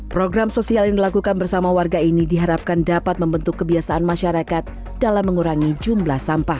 program sosial yang dilakukan bersama warga ini diharapkan dapat membentuk kebiasaan masyarakat dalam mengurangi jumlah sampah